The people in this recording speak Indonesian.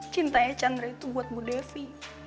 cintanya chandra itu buatmu devi